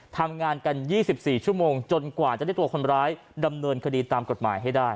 ทำงานกัน๒๔ชั่วโมงจนกว่าจะได้ตัวคนร้ายดำเนินคดีตามกฎหมายให้ได้